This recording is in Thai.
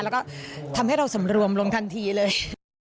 แล้วก็ทำให้เราสำรวมลงทันทีเลย